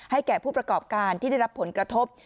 แก่ผู้ประกอบการที่ได้รับผลกระทบ